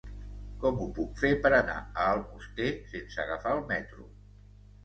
Com ho puc fer per anar a Almoster sense agafar el metro?